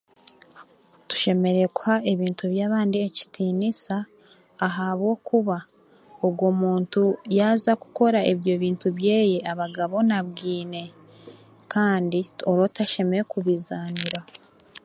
Tushemereire kuha ebintu by'abandi ekitiniisa ahabwokuba ogwo muntu yaaza kukora ebyo bintu byeye abaga abonabwine kandi oraatashemereire kubizaaniraho